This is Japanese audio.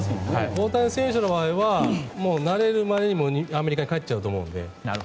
大谷選手の場合は慣れる前にアメリカに帰っちゃうと思うので。